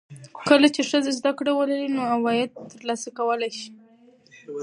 کله چې ښځه زده کړه ولري، نو عواید ترلاسه کولی شي.